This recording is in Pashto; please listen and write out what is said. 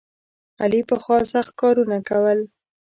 علي پخوا سخت کارونه کول.